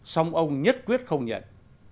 xong ông nhất quyết không nhận